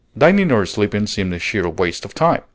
Dining or sleeping seemed a sheer waste of time!